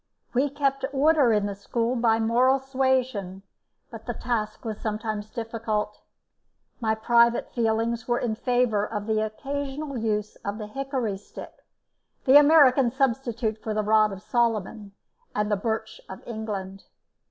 We kept order in the school by moral suasion, but the task was sometimes difficult. My private feelings were in favour of the occasional use of the hickory stick, the American substitute for the rod of Solomon, and the birch of England.